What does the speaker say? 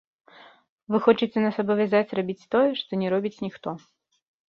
Вы хочаце нас абавязаць рабіць тое, што не робіць ніхто.